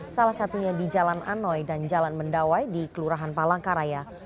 salah satunya di jalan anoy dan jalan mendawai di kelurahan palangkaraya